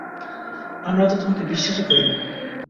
আমরা তো তোমাকে বিশ্বাসই করি না।